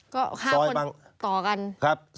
ก็๕คนต่อกัน